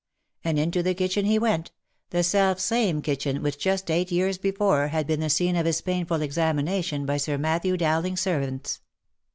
And into the kitchen he |went — the selfsame kitchen which just eight years before had been the scene of his painful examination by Sir Matthew Uowling's servants.